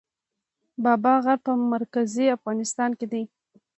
بابا غر په مرکزي افغانستان کې دی